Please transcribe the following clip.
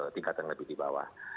tingkat yang lebih di bawah